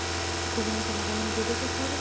کورنۍ به یې له غنمو ډوډۍ پخوله.